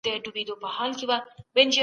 ملتونه کله نړیوالي شخړي پای ته رسوي؟